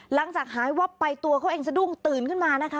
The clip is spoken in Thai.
หลังจากหายวับไปตัวเขาเองสะดุ้งตื่นขึ้นมานะคะ